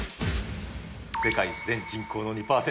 世界全人口の２％。